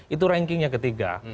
itu rankingnya ketiga